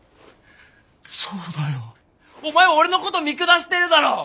そうだよ。お前俺のこと見下してるだろ。